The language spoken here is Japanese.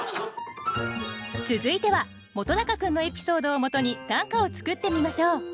続いては本君のエピソードをもとに短歌を作ってみましょう。